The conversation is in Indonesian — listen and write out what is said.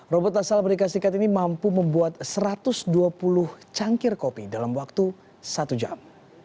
robot asal amerika serikat ini mampu membuat satu ratus dua puluh cangkir kopi dalam waktu satu jam